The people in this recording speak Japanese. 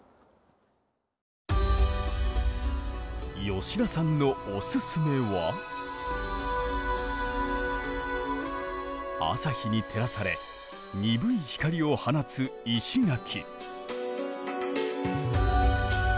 吉田さんのオススメは朝日に照らされ鈍い光を放つ石垣。